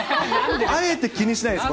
あえて気にしないです。